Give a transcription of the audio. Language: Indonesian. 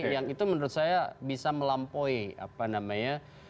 yang itu menurut saya bisa melampaui